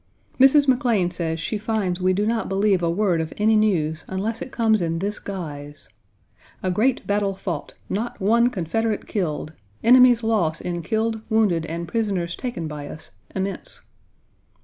Mrs. McLane says she finds we do not believe a word of any news unless it comes in this guise: "A great battle fought. Not one Confederate killed. Enemy's loss in killed, wounded, and prisoners taken by us, immense."